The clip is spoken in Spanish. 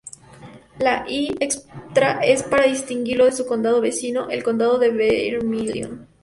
La "l" extra es para distinguirlo de su condado vecino, el Condado de Vermilion.